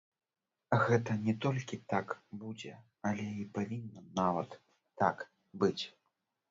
Гэта не толькі так будзе, але і павінна нават так быць!